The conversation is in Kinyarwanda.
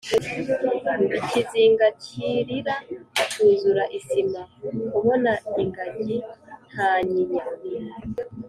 ikizinga cy’irira cyuzura isima, kubona ingajyi ntanyinya